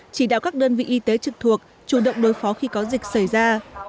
chỉ đạo các đơn vị y tế trực thuộc chủ động đối phó khi có dịch xảy ra